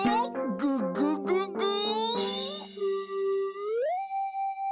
「ググググー」